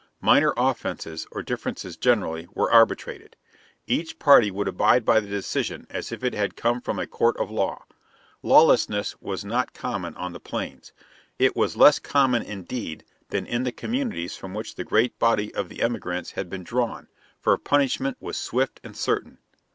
Minor offenses, or differences generally, were arbitrated. Each party would abide by the decision as if it had come from a court of law. Lawlessness was not common on the Plains. It was less common, indeed, than in the communities from which the great body of the emigrants had been drawn, for punishment was swift and certain.